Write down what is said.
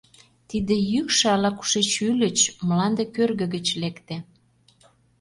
Тиде йӱкшӧ ала-кушеч ӱлыч, мланде кӧргӧ гыч лекте.